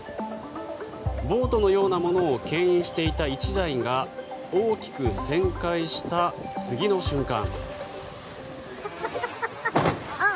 ボートのようなものをけん引していた１台が大きく旋回した次の瞬間。